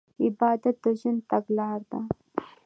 عبادت د ژوند تګلاره ده.